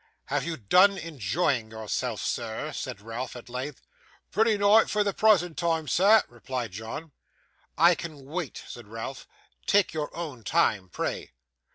'Have you done enjoying yourself, sir?' said Ralph, at length. 'Pratty nigh for the prasant time, sir,' replied John. 'I can wait,' said Ralph. 'Take your own time, pray.